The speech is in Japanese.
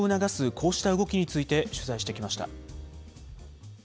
こうした動きについて取材してきました。